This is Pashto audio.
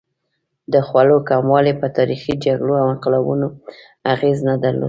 د خوړو کموالی په تاریخي جګړو او انقلابونو اغېز نه درلود.